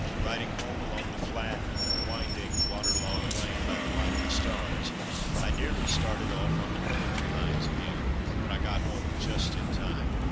Riding home along the flat, winding, water logged lane by the light of the stars I nearly started off on the poetry lines again, but I got home just in time.